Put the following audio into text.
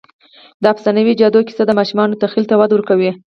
د افسانوي جادو کیسه د ماشومانو تخیل ته وده ورکوي.